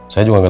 saya juga ngeri